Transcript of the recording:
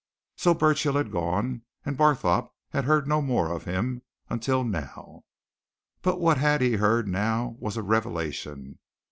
So Burchill had gone, and Barthorpe had heard no more of him until now. But what he had heard now was a revelation.